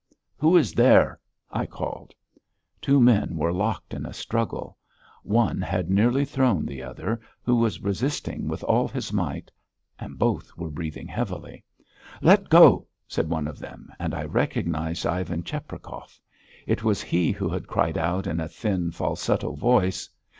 "Who is there?" I called. Two men were locked in a struggle. One had nearly thrown the other, who was resisting with all his might. And both were breathing heavily. "Let go!" said one of them and I recognised Ivan Cheprakov. It was he who had cried out in a thin, falsetto voice.